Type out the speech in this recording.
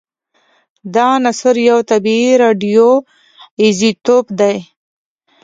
دا عنصر یو طبیعي راډیو ایزوتوپ دی